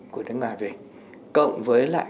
của nước ngoài về cộng với lại